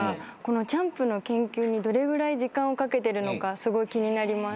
チャンプの研究にどれぐらい時間をかけてるのかすごい気になります。